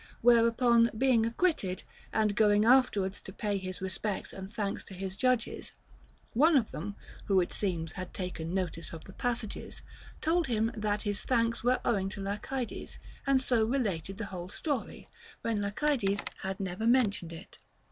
Whereupon being acquitted, and going afterwards to pay his respects and thanks to his judges, one of them (who, it seems, had taken notice of the passages) told him that his thanks were owing to Lacydes, and so related the whole story, when yet Lacydes had never mentioned it.